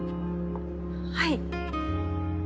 はい。